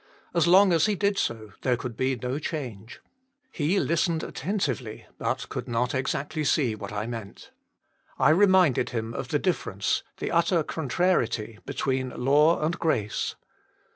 As long as he did so, there could be no change. He listened attentively, but could not exactly see what I meant. I reminded him of the difference, the utter con trariety, between law and grace.